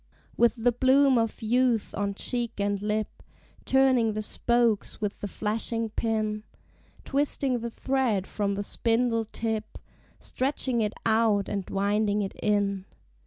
With the bloom of youth on cheek and lip. Turning the spokes with the flashing pin, Twisting the thread from the spindle tip, Stretching it out and winding it in.